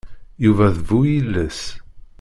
Yuba d bu-yiles.